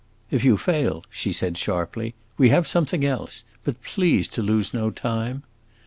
"If you fail," she said sharply, "we have something else! But please to lose no time."